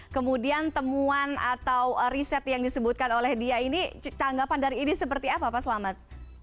kemudian temuan atau riset yang disebutkan oleh dia ini tanggapan dari idi seperti apa pak selamat